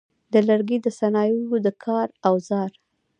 د لرګي د صنایعو د کار اوزار: